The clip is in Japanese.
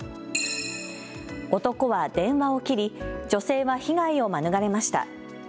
男は電話を切り女性は被害を免れました。